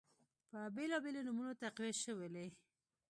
په بیلابیلو نومونو تقویه شولې